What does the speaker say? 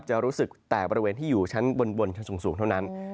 จะรู้สึกแต่บริเวณที่อยู่ชั้นบนชั้นสูงเท่านั้น